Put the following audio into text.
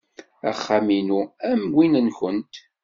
Axxam-inu am win-nwent.